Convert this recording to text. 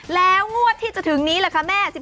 แล้วงวดที่จะถึงนี้ล่ะคะแม่